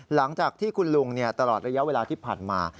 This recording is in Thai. หลังจากที่คุณลุงตลอดระยะเวลาที่ผ่านมา